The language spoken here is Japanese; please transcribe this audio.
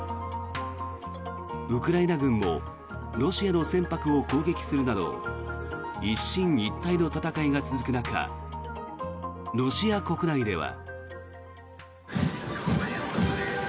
ウクライナ軍もロシアの船舶を攻撃するなど一進一退の戦いが続く中ロシア国内では。